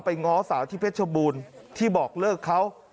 ง้อสาวที่เพชรบูรณ์ที่บอกเลิกเขา